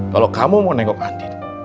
kalau kamu mau nengok andin